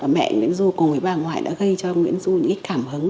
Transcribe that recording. mẹ nguyễn du cùng với bà ngoại đã gây cho nguyễn du những cảm hứng